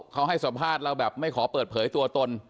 เขาให้สัมภาษณ์เราแบบไม่ขอเปิดเผยตัวตน